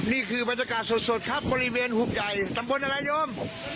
นี่คือบรรยากาศสดครับบริเวณหุบใหญ่ตำบลอะไรยม